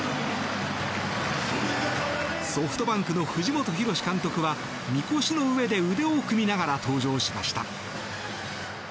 ソフトバンクの藤本博史監督はみこしの上で腕を組みながら登場しました。